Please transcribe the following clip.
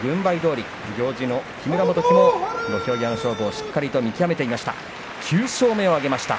行司の木村元基も土俵際の勝負をしっかりと見極めていました。